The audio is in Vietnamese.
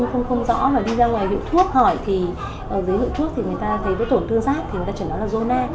thì có một số bệnh nhân cũng không rõ mà đi ra ngoài hữu thuốc hỏi thì ở dưới hữu thuốc thì người ta thấy với tổn thương rác thì người ta chẳng nói là zona